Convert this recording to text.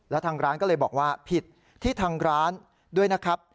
แล้วทางร้านก็เลยบอกว่าผิดที่ทางร้านด้วยนะครับ